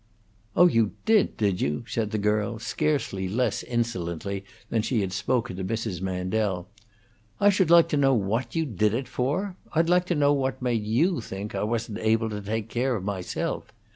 "Oh, you did, did you?" said the girl, scarcely less insolently than she had spoken to Mrs. Mandel. "I should like to know what you did it for? I'd like to know what made you think I wasn't able to take care of myself.